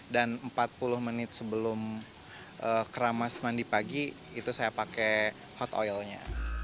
dan empat puluh menit sebelum keramas mandi pagi itu saya pakai hot oil nya